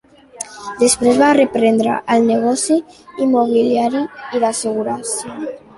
Després va reprendre el negoci immobiliari i d'assegurances.